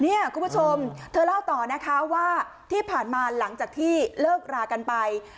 คุณผู้ชมเธอเล่าต่อนะคะว่าที่ผ่านมาหลังจากที่เลิกรากันไป